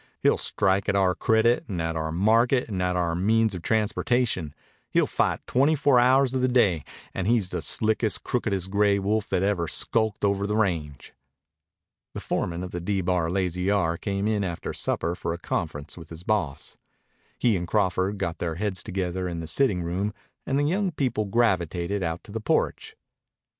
He'll strike at our credit and at our market and at our means of transportation. He'll fight twenty four hours of the day, and he's the slickest, crookedest gray wolf that ever skulked over the range." The foreman of the D Bar Lazy R came in after supper for a conference with his boss. He and Crawford got their heads together in the sitting room and the young people gravitated out to the porch.